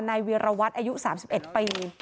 นายวีรวัตน์อายุ๓๑ปี